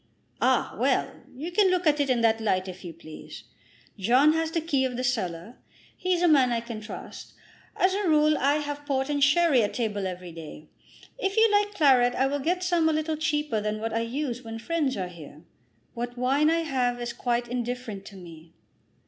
"Ah; well; you can look at it in that light if you please. John has the key of the cellar. He's a man I can trust. As a rule I have port and sherry at table every day. If you like claret I will get some a little cheaper than what I use when friends are here." "What wine I have is quite indifferent to me."